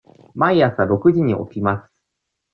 毎朝六時に起きます。